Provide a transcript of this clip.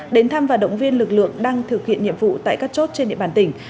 đến thăm và động viên lực lượng đang thực hiện nhiệm vụ tại các chốt trên địa bàn tỉnh